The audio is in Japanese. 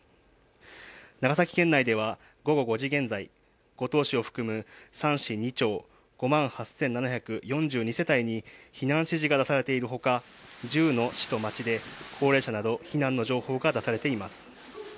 長崎県内では午後５時現在、五島市を含む３市２町、５万８７４２世帯に避難指示が出されているほか１０の市と町で高齢者など避難の情報が出されています。